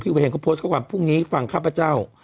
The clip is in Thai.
บัตเทนก็พอตนี้ฟังคะพระเจ้า